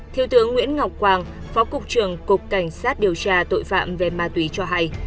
thiếu tướng nguyễn ngọc quang phó cục trưởng cục cảnh sát điều tra tội phạm về ma túy cho hay